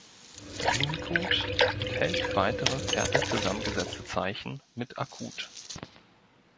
Unicode enthält weitere fertig zusammengesetzte Zeichen mit Akut.